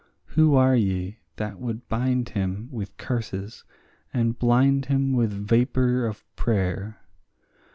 Who are ye that would bind him with curses and blind him with vapour of prayer?